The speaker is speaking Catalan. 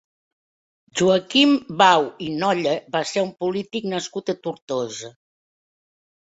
Joaquim Bau i Nolla va ser un polític nascut a Tortosa.